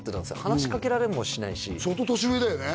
話しかけられもしないし相当年上だよね？